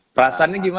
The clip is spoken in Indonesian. perasaannya gimana mas